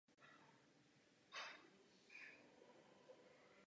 Jeho životopis napsal Plútarchos.